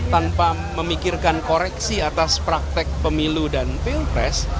tanpa memikirkan koreksi atas praktek pemilu dan pilpres